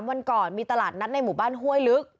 วันก่อนมีตลาดนัดในหมู่บ้านห้วยลึก